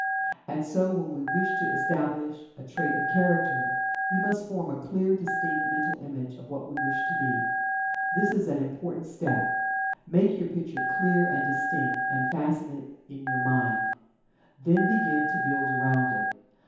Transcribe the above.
And so, when we wish to establish a trait of Character, we must form a clear, distinct Mental Image of what we wish to be. This is an important step. Make your picture clear and distinct, and fasten it in your mind. Then begin to build around it.